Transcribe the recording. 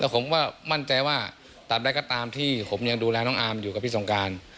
ผมมั่นใจว่าตามแล้วก็ตามที่ผมยังดูแลน้องอามอยู่กับพี่ทรงการ